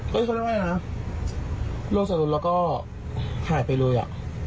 เฮ้ยเขาเรียกว่าไงนะรถเสียรถแล้วก็หายไปเลยอ่ะ